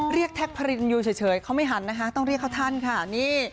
แท็กพารินอยู่เฉยเขาไม่หันนะคะต้องเรียกเขาท่านค่ะนี่